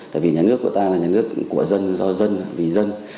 tại vì nhà nước của ta là nhà nước của dân do dân vì dân